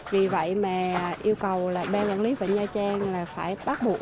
vì vậy mà yêu cầu bang quản lý vịnh nha trang là phải bắt buộc